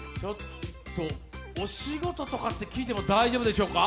お仕事とかって聞いても大丈夫でしょうか？